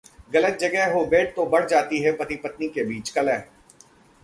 गलत जगह हो बेड तो बढ़ जाती है पति-पत्नी के बीच कलह...